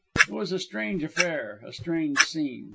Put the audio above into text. It was a strange affair a strange scene.